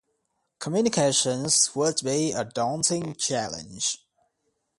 Communications would be a daunting challenge.